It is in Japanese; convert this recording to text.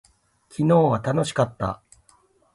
昨日は楽しかった。